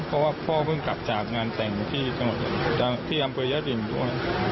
เพราะว่าพ่อเพิ่งกลับจากงานแต่งที่อำเภอยดินด้วย